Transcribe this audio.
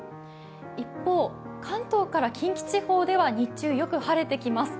一方、関東から近畿地方では日中よく晴れてきます。